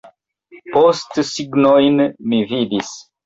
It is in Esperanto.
Postsignojn mi vidis.